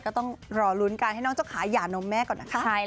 ก็ต้องรอลุ้นการให้น้องเจ้าขายหย่านมแม่ก่อนนะคะ